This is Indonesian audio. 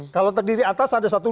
kalau terdiri atas ada satu